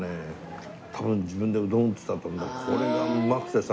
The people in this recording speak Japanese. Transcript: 多分自分でうどん打ってたと思うんだけどこれがうまくてさ。